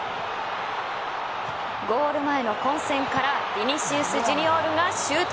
ゴール前の混戦からヴィニシウス・ジュニオールがシュート。